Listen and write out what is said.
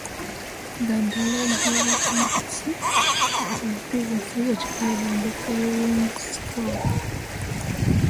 The Dolgellau campus was previously occupied by Doctor Williams' School.